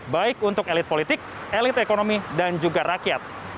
baik untuk elit politik elit ekonomi dan juga rakyat